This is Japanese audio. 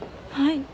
はい。